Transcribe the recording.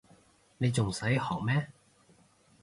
你仲使學咩